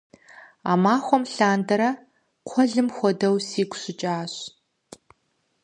А махуэм лъандэрэ кхъуэлым хуэдэу сигу щыкӏащ.